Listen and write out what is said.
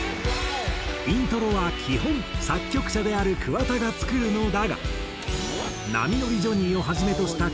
イントロは基本作曲者である桑田が作るのだが『波乗りジョニー』をはじめとした桑田のソロ楽曲